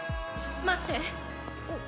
待って。